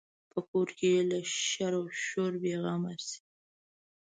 په کور کې یې له شر و شوره بې غمه شي.